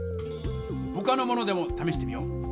ほかのものでもためしてみよう！